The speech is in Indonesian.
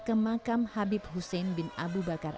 ke makam habib hussein bin abu bakar